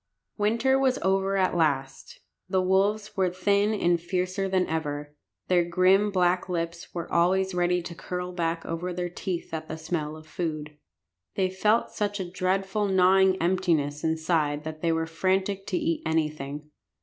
Winter was over at last. The wolves were thin and fiercer than ever. Their grim black lips were always ready to curl back over their teeth at the smell of food. They felt such a dreadful gnawing emptiness inside that they were frantic to eat anything.